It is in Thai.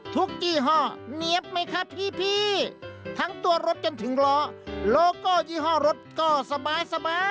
ยี่ห้อเนี๊ยบไหมครับพี่ทั้งตัวรถจนถึงล้อโลโก้ยี่ห้อรถก็สบาย